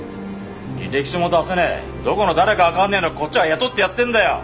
履歴書も出せねえどこの誰か分かんねえのこっちは雇ってやってんだよ。